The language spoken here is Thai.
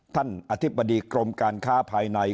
อธิบดีกรมการค้าภายใน